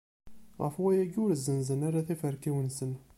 Ɣef wayagi ur zzenzen ara tiferkiwin-nsen.